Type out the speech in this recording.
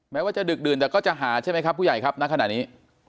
ว่าจะดึกดื่นแต่ก็จะหาใช่ไหมครับผู้ใหญ่ครับณขณะนี้